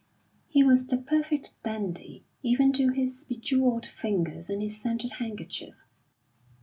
He was the perfect dandy, even to his bejewelled fingers and his scented handkerchief.